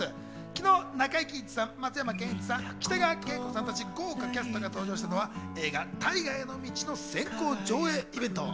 昨日、中井貴一さん、松山ケンイチさん、北川景子さんたち豪華キャストが登場したのは、映画『大河への道』の先行上映イベント。